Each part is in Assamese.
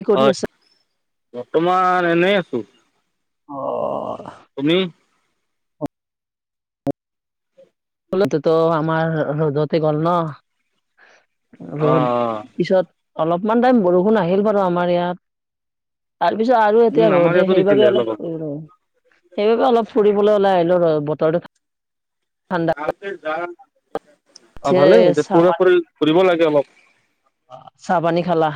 কি কৰি হয় আছা? বৰ্তমান এনেই আছোঁ অ তুমি লতো আমাৰ ৰ'দতে গ'ল ন অ ৰ'দ পিছত অলপমান টাইম বৰষুণ আহিল বাৰু আমাৰ ইয়াত তাৰপিছত আৰু উম এতিয়া আমাৰ ৰ'দে ইয়াতো দিছিলে সেইবাবে অলপ আগত সেইবাবে অলপ ফুৰিবলৈ ওলাই আহিলো ৰ বতৰটো ঠাণ্ডাতে [unintelligible] যাম অ ভালেই এতিয়া চাহ পুৰা পু ফুৰিব লাগে অলপ চাহ পানী খালা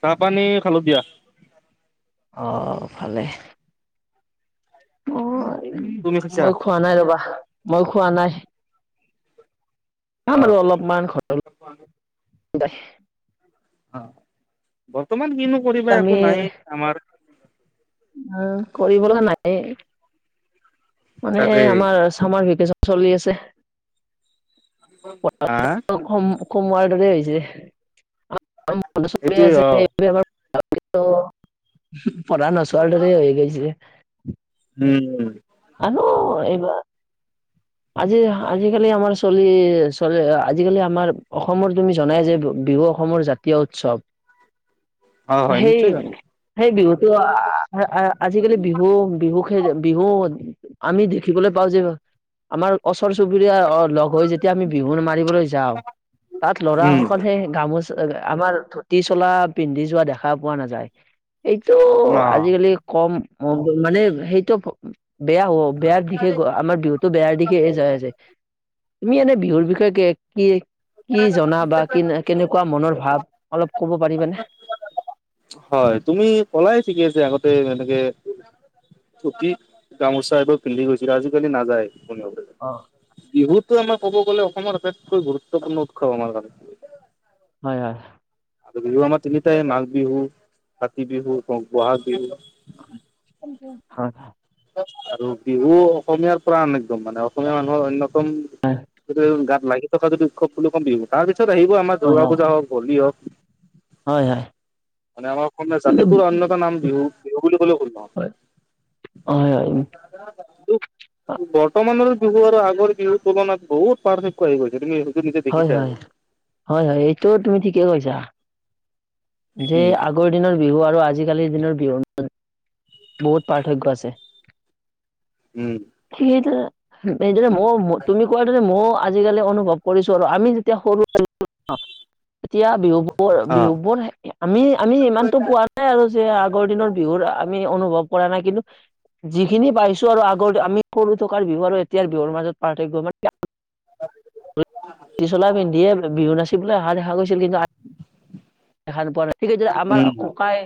চাহ পানী খালো দিয়া অঁ খালে অ তুমি খাইছা মই খোৱা নাই ৰ'বা মই খোৱা নাই যাম অ আৰু অলপমান ঘ [unintelligible] অ বৰ্তমান কিনো কৰিব একাকো নাইয়েই আমাৰ উমঁ কৰিবলৈ নাই মানে তাকেই আমাৰ চামাৰ ভেকেচন চলি আছে। হা! ওম কমোৱাৰ দৰে হৈছে। [unintelligible] এইটোৱে অ পঢ়া নছোৱা ডৰে হৈ গৈছে। উমঁ উম‌ঁ। আনো এইবাৰ আজি আজিকালি আমাৰ চলি চলে, আজিকালি আমাৰ অসমৰ তুমি জনাই যে বিহু অসমৰ জাতীয় উৎসৱ। অ হয় সেই নিশ্চয় যাম সেই বিহুতো আ আ আ আজিকালি বিহু বিহু খে বিহু আমি দেখিবলৈ পাও যে, আমাৰ ওচৰ চুবুৰীয়া লগ হৈ যেতিয়া আমি বিহু মাৰিবলৈ যাও। যাওঁ, তাত ল'ৰা উম সকলে গামোচা আমাৰ ধুতি চলা পিন্ধি যোৱা দেখা পোৱা নাযায় এইটো অ আজিকালি কম অঁ মানে সেইটো বেয়া হ'ব, বেয়াৰ দিশে আমাৰ বিহুতো বেয়াৰ দিশে হে যাই আছে, তুমি এনে বিহুৰ বিষয়ে কে কি কি জনা বা কিনে কেনেকুৱা মনৰ ভাৱ, অলপ ক'ব পাৰিবানে? হয় তুমি কলাই ঠিকে আছে, আগতে এনেকে ধুতি গামোচা এইবোৰ পিন্ধি গৈছিল, আজিকালি নাযায় কোনেও। অঁ'। বিহুতো আমাৰ ক'ব গ'লে অসমৰ আটাইতকৈ গুৰুত্বপূৰ্ণ উৎসৱ আমাৰ কাৰণে। হয়ঁ হয়ঁ। আৰু বিহু আমাৰ তিনিটাই মাঘ বিহু কাতি বিহু বহাগ বিহু। অ্ং ফুং ফুং সাং। আৰু বিহু অসমীয়াৰ পোৰা একদম মানে, অসমীয়া মানুহৰ অন্যতম যিটো গাত লাগি থকা যদি উৎসৱ বুলি কও বিহু। তাৰ পিছত আহিব আমাৰ দুৰ্গা পূজা হওঁক হলি হওঁক। হয়ঁ হয়ঁ। মানে আমাৰ অসমীয়া জাতিটোৰ অন্যতম নাম বিহু, বিহু বুলি ক'লেও ভুল নহয়। হয় হয় [inaudible] বৰ্তমানৰ বিহু আৰু আগৰ বিহু তুলনাত বহুত পাৰ্থক্য আহি গৈছে। নিজে হয়ঁ দেখিছাই হয়ঁ হয়ঁ হয়ঁ, সেইটো তুমি ঠিকেই কৈছা। যে উম আগৰ দিনৰ বিহু আৰু আজিকালিৰ দিনৰ বিহু বহুত পাৰ্থক্য আছে। উমঁ'। সেইতো এটা সেইদৰে মোৰ তুমি কোৱা দৰে সেইতো ময়ো আজিকালি অনুভৱ কৰিছো আৰু, আমি যেতিয়া সৰু আছিলো। অঁ এতিয়া বিহুবোৰ অ বিহুবোৰ আমি আমি ইমানটো পোৱা নাই আৰু যে, আগৰ দিনৰ বিহুৰ আমি অনুভৱ কৰা নাই, কিন্তু যিখিনি পাইছো ছোৱা আৰু আগত আমি সৰু থকাৰ বিহু আৰু এতিয়া বিহুৰ মাজত পাৰ্থক্য বিলাক [inaudible] তি চলা পিন্ধিয়ে বিহু নাচিবলৈ অহা দেখা গৈছে। ছিল কিন্তু দেখা নোপোৱা, নাই ঠিক সেই আমাৰ উম ককাই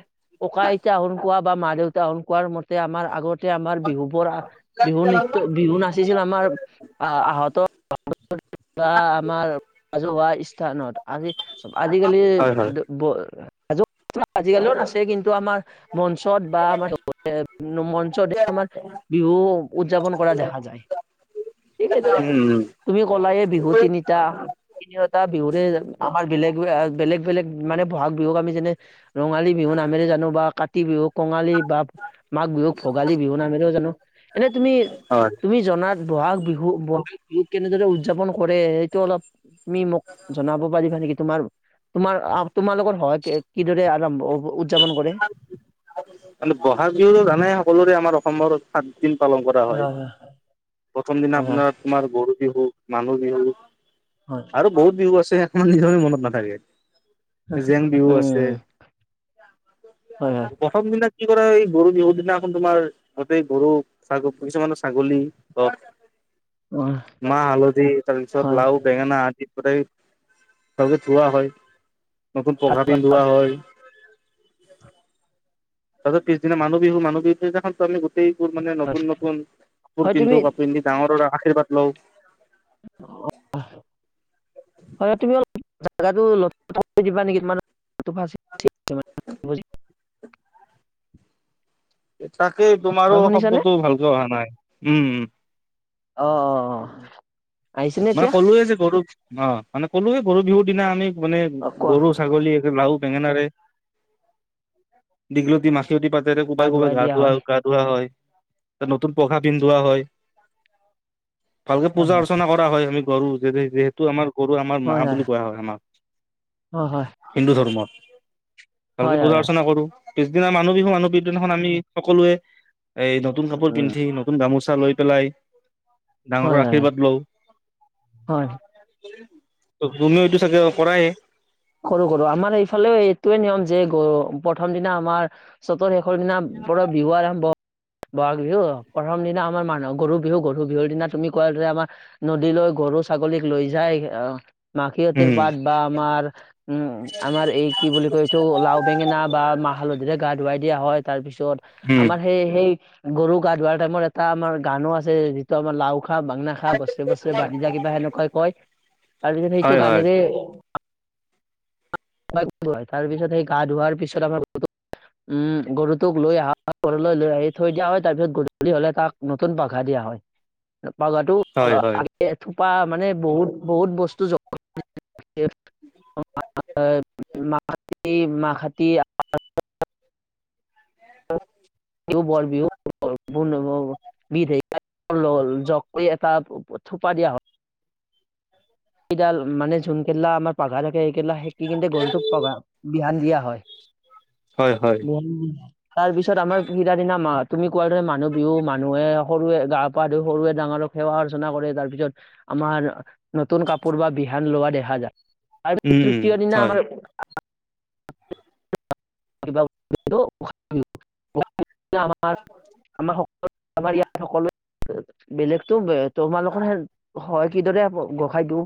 ককা আইতা সোনকোৱা, বা মা দেউতা সোনকোৱাৰ মতে আমাৰ আগত তে আমাৰ বিহু বোৰ বিহু নৃত্য, বিহু নাচিছিল আমাৰ আহত [unintelligible] ৰাজহুৱা স্থানত, আজি আজিকালি হয় হয় [unintelligible] আজিকালি আছে কিন্তু আমাৰ মঞ্চত বা আমাৰ [unintelligible] মঞ্চত আমাৰ বিহু উদযাপন কৰা দেখা যায়, ঠিক সেইদৰে উম উম তুমি কলাই বিহু তিনি এতিয়া তিনিওটা বিহুৰে আমাৰ বেলেগ বেলেগ বেলেগ মানে বহাগ বিহুক আমি যেনে ৰঙালী বিহু নামেৰে জানো বা কাতি বিহুক কঙালী বা মাঘ বিহুক ভোগালী বিহু নামেৰেও জানো, এনে তুমি হয় তুমি জনাত বহাগ বিহু বহাগ বিহুক কেনেদৰে উদযাপন কৰে, সেইটো অলপ তুমি মোক জনাব পাৰিবা নেকি? তোমাৰ তোমাৰ তোমালোকৰ ঘৰত কিদৰে আৰম্ভ উদযাপন কৰে? মানে ব'হাগ বিহুতো জানাই সকলোৰে আমাৰ অসমত সাতদিন পালন কৰা হয়, প্ৰথম দিনা হয় হয় আপোনাৰ তোমাৰ গৰু বিহু মানুহ বিহুৰ হয় বহুত বিহু আছে তোমাৰ নিজৰে মনত নাথাকে জেং বিহু আছে উম হয় হয় প্ৰথম দিনা কি কৰা হয় এই গৰু বিহুৰ দিনাখন তোমাৰ গতেই গৰু ছাগ কিছুমান ছাগলী হক [unintelligible] মা হালধি তাৰপিছত হয় লাও বেঙেনা আদি সদায় চবকে ধুৱা হয় নতুন পঘা পিন্ধোৱা হয় তাৰ পিছদিনা মানুহ বিহু মানুহ বিহুনাখনতো আমি গোটেইবোৰ মানে নতুন নতুন কাপোৰ হয় পিন্ধো তুমি কাপোৰ পিন্ধি ডাঙৰৰ আশীৰ্বাদ লওঁ [inaudible] হয় তুমি অলপ যেগাটো দিবা নেকি তোমাৰ [inaudible] মানে বুজি। [inaudible] তাকেই তোমাৰো হয় শুনিছানে? শব্দটো ভালকে অহা নাই, উম', উম '। অ অ অ আহিছেনে মানে এতিয়া? ক'লোয়ে যে গৰু অ মানে ক'লোয়ে গৰু বিহুৰ দিনা আমি মানে অ', কোৱা। গৰু ছাগলী লাও বেঙেনাৰে দীঘলতি মাখিয়তি পাতেৰে গা কোবাই কোবাই ধুৱাই দিয়া গাধোৱা হয়। আৰু গা ধোৱা হয় নতুন পঘা পিন্ধোৱা হয় ভালকে হয়, পূজা আচ ৰচনা কৰা হয় আমি গৰু যিহেতু আমাৰ গৰু আমাৰ মা বুলি কোৱা হয় আমাক হয়। হিন্দু ধৰ্মত ভালকে হয়, হয়, পূজা হয়। অৰ্চনা কৰো পিছদিনা মানুহ বিহু মানুহ পিছদিনাখন আমি সকলোৱে এই নতুন উম। কাপোৰ উম পিন্ধি নতুন গামোচা লৈ পেলাই ডাঙৰৰ হয়, হয়, হয়, আশীৰ্বাদ লওঁ হয়। তুমিও এইটো চাগে কৰাই কৰোঁ কৰোঁ আমাৰ এইফালে এইটোৱে নিয়ম যে গ প্ৰথম দিনা আমাৰ চতৰ শেষৰ দিনা পৰা বিহু আৰম্ভ বহাগ বিহু প্ৰথম দিনা আমাৰ মানুহ গৰু বিহু গৰু বিহুৰ দিনা তুমি কোৱা যে আমাৰ নদীলৈ গৰু ছাগলীক লৈ যায় আহ মাখিয়তীৰ উম পাত বা আমাৰ উম আমাৰ এই কি বুলি কয় এইটো লাও বেঙেনা বা মাহ হালধিৰে গা ধুৱাই দিয়া হয় তাৰ পিছত উম আমাৰ সেই সেই গৰু গা ধোৱাৰ টাইমত এটা আমাৰ গানো আছে আমাৰ লাও খা বােঙনা খা বছৰে বছৰে বাঢ়ি যা কিবা সেনেকুৱাই কয় আৰু সে সেইটো হয় হয় গানেৰে [unintelligible] তাৰ পিছত সেই গা ধোৱাৰ পিছত [unintelligible] উম, গৰুটোক লৈ আ গৰুলৈ লৈ আহি থৈ দিয়া হয়, তাৰ পিছত গ--লি হ'লে তাক নতুন পাঘা দিয়া হয়। পাঘাটো হয় হয় [unintelligible] থোপা মানে বহুত বহুত বস্তু জ [inaudible] [unintelligible] [unintelligible] [unintelligible] জক কৈ এটা থোপা দিয়া হ কেইডাল মানে যোনকেইলা আমাৰ পাঘা থাকে সেকেলা সেকি কি খিনিতে গৰুটোক পঘা বিহান দিয়া হয়। হয় হয়। [unintelligible] তাৰ পিছত আমাৰ [unintelligible] সিদিনা মা তুমি কোৱা দৰে, মানুহ বিহু মানুহে সৰুৱে গা পা ধুই সৰুৱে ডাঙৰক সেৱা অৰ্চনা কৰে। তাৰ পিছত আমাৰ নতুন কাপোৰ বা বিহান লোৱা দেখা যা [unintelligible] উম উম তৃতীয় দিনা হয় আমাৰ [unintelligible] আমা স আমাৰ ইয়া সকলো বেলেগতো তোমালোকৰ হে হয় কিদৰে গোসাই দিও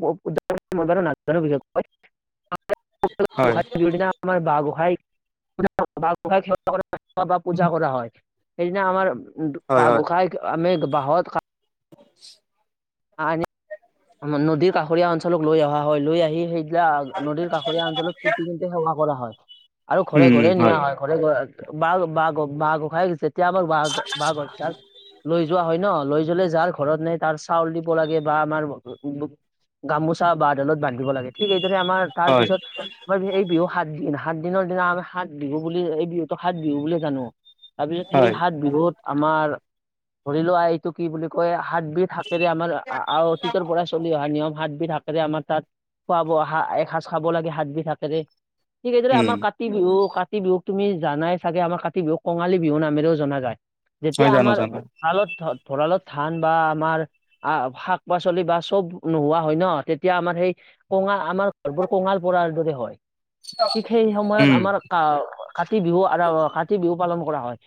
হয় [unintelligible] নাজানো [unintelligible] [unintelligible] পূজা কৰা হয়। সেইদিনা আমাৰ বা গোসাঁইৰ হয় হয় আমি বাহত [unintelligible] [inaudible] আ নদী কাষৰীয়া অঞ্চলক লৈ অহা হয়। লৈ আহি সেই নদীৰ কাষৰীয়া অঞ্চলত পুতি কিন্তে সেৱা কৰা হয় আৰু ঘৰে ঘৰে নিয়া হয়। ঘৰে ব বাল বাঘ হওঁক বা খাই এতিয়া আমাক বা [unintelligible] তাক লৈ যোৱা হয় ন, লৈ যলে যাৰ ঘৰত নাই তাৰ চাউল দিব লাগে বা আমাৰ গামোচা বা ডালত বান্ধিব লাগে। ঠিক এইদৰে আমাৰ হয়, তাৰপিছত। [unintelligible] এই বিহু সাত দিন, সাত দিনৰ দিনা আমি সাত বিহু বুলি এই বিহুতো সাত বিহু বুলি জানো। তাৰপিছত সেই হয়, সাত বিহুত আমাৰ ধৰি লোৱা এইটো কি বুলি কয়, সাতবিধ কেলে আমাৰ আ আও অতীতৰ পৰাই চলি অহা নিয়ম সাতবিধ শাক কেৰে আমাৰ তাত খোৱা বোৱা সা এক সাজ খাব লাগে হাত বিধ শাকেৰে। ঠিক সেইদৰে উম, আমাৰ কা কাতি বিহু কাতি বিহুক তুমি জানাই চাগে আমাৰ কাতি বিহুক কঙালী বিহু নামেৰেও জনা যায়। যেতিয়া হয় জানো আমাৰ জানো, তালত ভৰালৰ ধান বা আমাৰ আহ শাক পাচলি বা চব নোহোৱা হয় ন। তেতিয়া আমাৰ সেই কঙা আমাৰ ঘৰবোৰ কঙাল পৰাৰ দৰে হয়। ঠিক সেই সময়ত উম, আমাৰ কা কাতি বিহু কাতি বিহু পালন কৰা হয়।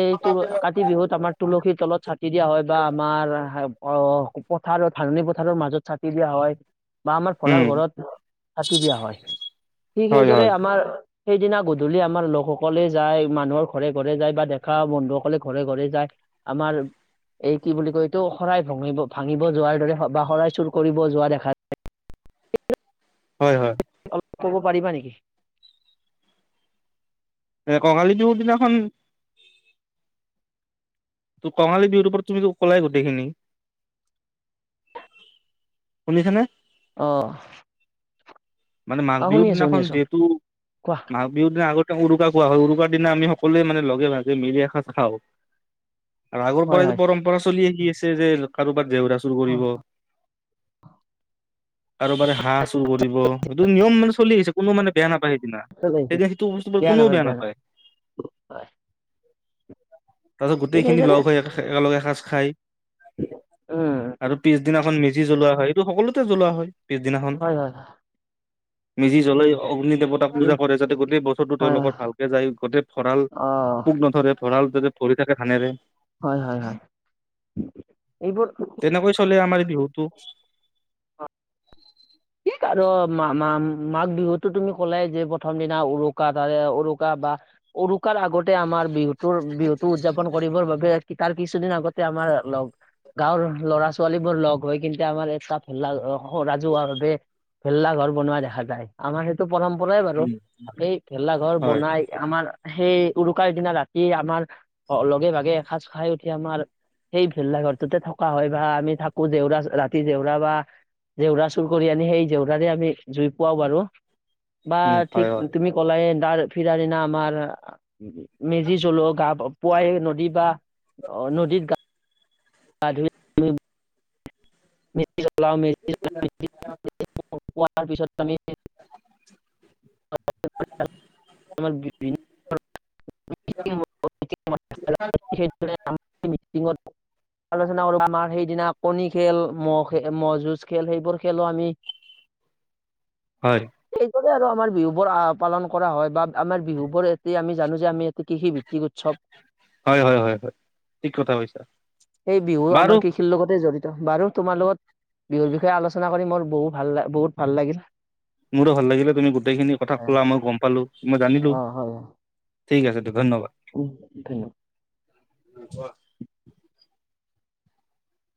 এই তোৰ কাতি বিহুত আমাৰ তুলসীৰ তলত চাকি দিয়া হয় বা আমাৰ অ, পথাৰৰ ধাননি পথাৰৰ মাজত চাকি দিয়া হয়। বা আমাৰ উম, ভৰাল ঘৰত চাকি দিয়া হয়। ঠিক হয়, সেইদৰে হয়, আমাৰ সেইদিনা গধূলি আমাৰ লোকসকলে যায়, মানুহৰ ঘৰে ঘৰে যায় বা দেখা বন্ধুসকলে ঘৰে ঘৰে যায়। আমাৰ এই কি বুলি কয় এইটো? শৰাই ভঙিব ভাঙিব যোৱাৰ দৰে বা শৰাই চুৰ কৰিব যোৱা দেখা হয় হয়। অলপ ক'ব পাৰিবা নেকি? কঙালি বিহু দিনা খন। ত কঙালী বিহুৰ পৰত তুমি কলাই গোটেইখিনি। শুনিছেনে? অ। মানে মাঘ অ বিহুৰ শুনি আছো শুনি দিনাখন আছো যিহেতু, কোৱা মাঘ- বিহুৰ দিনা আগতে উৰুকা খোৱা হয় উৰুকাৰ দিনা আমি সকলোৱে মানে লগে ভাগে মিলি এসাজ খাওঁ। আৰু আগৰ হয় পৰাইতটো হয় পৰম্পৰা চলি আহি আছে যে কাৰোবাত জেউৰা চুৰ কৰিব। কাৰোবাৰে হাঁহ চুৰ কৰিব সেইটো নিয়ম মানে চলি আহিছে কোনো মানে বেয়া নাপায় সেইদিনা। তেতিয়া কিন্তু কোন বেয়া নাপায়। হয় তাৰ পিছত ঠিক গোটেইখিনি সেইদৰে লগ হৈ একেলগে এসাজ- খাই। উম আৰু পিছদিনাখন মেজি জ্বলোৱা হয় এইটো সকলোতে জ্বলোৱা হয় পিছদিনাখন। হয় হয়। মেজি জ্বলাই অগ্নি দেৱতাক- চবে উম পূজা কৰে যাতে গোটেই বছৰো হয় হয় তেওঁলোকৰ ভালকে যায় গোটেই ভৰাল, অ পোক নথৰে। ভৰাল যাতে ভৰি থাকে ধানেৰে। হয় হয় হয়, এইবোৰ- তেনেকৈ চলে আমাৰ বিহুতো। থিক আৰু মা মা মাঘ বিহুতো তুমি ক'লে যে প্ৰথম দিনা উৰুকা ত উৰুকা বা- উৰুকাৰ আগতে আমাৰ বিহুতৰ বিহুতো উদযাপন কৰিবৰ বাবে- তাৰ কিছুদিন আগতে আমাৰ লগ- গাঁৱৰ ল'ৰা ছোৱালী বোৰ লগ হৈ কিন্তু আমাৰ এটা ভেলা ঘৰ। অ ৰাজু ওৱাৰফে ভেলা ঘৰ বনোৱা দেখা যায়। আমাৰ সেইটো পৰম্পৰাই বাৰু, উম এই ভেলা ঘৰ হয় বনাই- আমাৰ সেই উৰুকাৰ দিনা ৰাতি আমাৰ লগে ভাগে এসাঁজ খাই উঠি আমাৰ- সেই ভেলাঘৰটোতে থকা হয় বা আমি থাকো জেউৰা ৰাতি জেউৰা বা, জেউৰা- চুৰ কৰি আনি সেই জেউৰাৰে আমি জুই পুৱাও বাৰু, বা উম হয় ঠিক হয় তুমি- [unintelligible] দাৰ ফিৰ দিনা আমাৰ। মেজি জ্বলোৱা গা পোৱাই নদী বা, অ নদীত গা- ধুই - মেজি জ্বলাও মেজি জ্বলাই মেলি আমি- পিছত আমি [inaudible] [unintelligible] আলোচনা কৰো আমাৰ সেইদিনা কণী খেল- মহ খে মহ' যুঁজ খেল সেইবোৰ খেলো আমি। হয়। এইদৰে আৰু আমাৰ বিহু বোৰ আহ পালন কৰা হয় বা আমাৰ বিহু বোৰ এতি আমি জানো যে আমি এইটো কৃষি ভিত্ত- কি উৎসৱ, হয় হয় হয় হয় ঠিক কথা কৈছা এই বিহু বাৰু আমাৰ কৃষি- লগতে জড়িত বাৰু তোমাৰ লগত বিহুৰ বিষয়ে আলোচনা কৰি মোৰ বহু ভাল বহুত ভাল লাগিল। মোৰো ভাল লাগিলে তুমি গোটেইখিনি কথা অ', কলা মই গম পালো মই জানিলো। হয়, হয়, ঠিক আছে ধন্যবাদ। উম ধন্যবাদ। অ কোৱা?